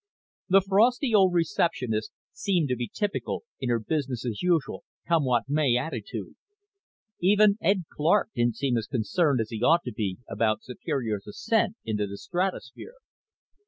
The frosty old receptionist seemed to be typical in her business as usual, come what may attitude. Even Ed Clark didn't seem as concerned as he ought to be about Superior's ascent into the stratosphere.